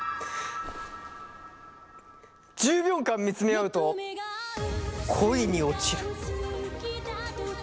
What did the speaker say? １０秒間見つめ合うと恋に落ちる！